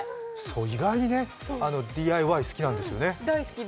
意外にＤＩＹ好きなんですよね。